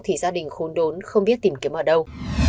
thì gia đình khốn đốn không biết tìm kiếm ở đâu